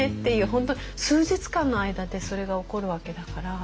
本当数日間の間でそれが起こるわけだから。